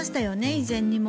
以前にも。